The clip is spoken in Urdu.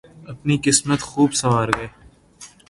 اپنی قسمت خوب سنوار گئے۔